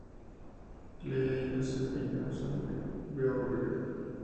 Lee, Joseph E. Johnston y P. G. T. Beauregard.